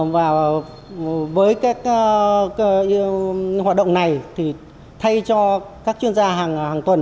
và với các hoạt động này thì thay cho các chuyên gia hàng tuần